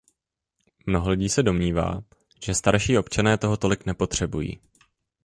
Mnoho lidí se domnívá, že starší občané toho tolik nepotřebují.